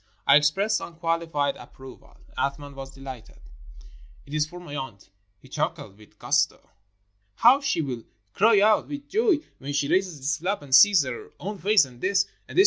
I expressed unqualified ap proval. Athman was delighted. "It is for my aunt," he chuckled with gusto. "How she will cry out with joy when she raises this flap and sees her own face. And this! and this!